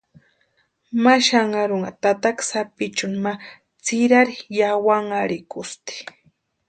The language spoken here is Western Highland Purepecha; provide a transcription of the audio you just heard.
Ma xanharunha tataka sapichuni ma tsʼirari yawanharhikusti.